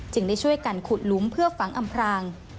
ได้ช่วยกันขุดหลุมเพื่อฝังอำพราง